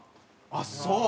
あっそう！